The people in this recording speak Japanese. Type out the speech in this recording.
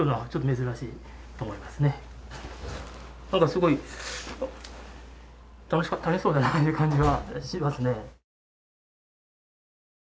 すごい楽しそうだなという感じはしますね。